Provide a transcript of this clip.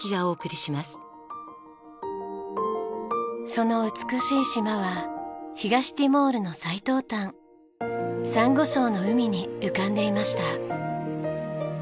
その美しい島は東ティモールの最東端サンゴ礁の海に浮かんでいました。